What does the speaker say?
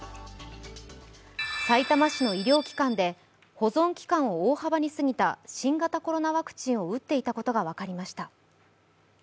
さいたま市の医療機関で保存期間を大幅に過ぎた新型コロナワクチンを打っていたことが分かりました。